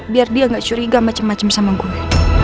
biar dia gak curiga macem macem sama gue